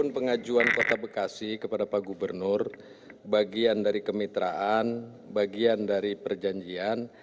pengajuan kota bekasi kepada pak gubernur bagian dari kemitraan bagian dari perjanjian